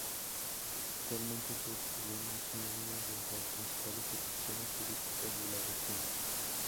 Actualmente, sus ruinas son una de las principales atracciones turísticas de la región.